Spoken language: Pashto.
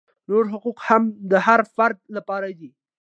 نور حقوق هم د هر فرد لپاره دي.